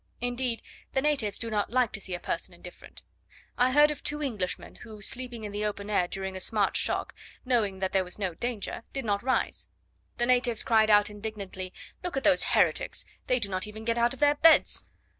Indeed, the natives do not like to see a person indifferent. I heard of two Englishmen who, sleeping in the open air during a smart shock, knowing that there was no danger, did not rise. The natives cried out indignantly, "Look at those heretics, they do not even get out of their beds!"